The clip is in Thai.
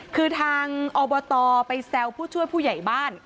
คือทางอบตไปแซวผู้ช่วยผู้ใหญ่บ้าน